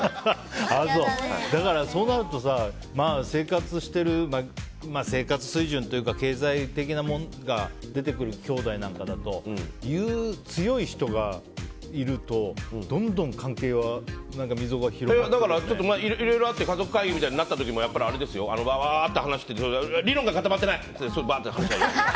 だから、そうなるとさ生活水準というか経済的なものが出てくるきょうだいなんかだと言うのが強い人がいるとどんどん関係はだからいろいろあって家族会議みたいになった時もわわわーって話して理論が固まってない！ってなってそれで話し合いよ。